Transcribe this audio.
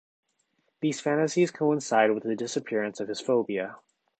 These fantasies coincide with the disappearance of his phobia.